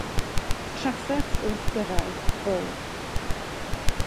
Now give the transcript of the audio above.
Trafferth wrth gyrraedd Bo.